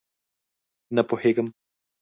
_نه پوهېږم!